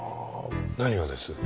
何がです？